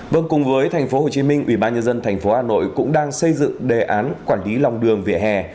vâng cùng với tp hcm ủy ban nhân dân tp hcm cũng đang xây dựng đề án quản lý lòng đường về hè